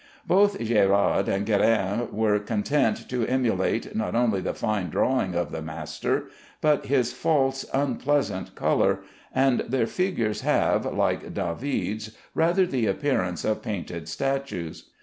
Both Gérard and Guérin were content to emulate not only the fine drawing of the master, but his false, unpleasant color, and their figures have, like David's, rather the appearance of painted statues.